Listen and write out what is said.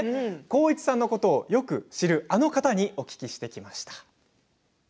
浩市さんのことをよく知るあの方にお聞きしてきました。